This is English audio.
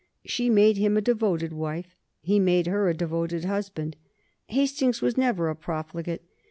She made him a devoted wife; he made her a devoted husband. Hastings was never a profligate.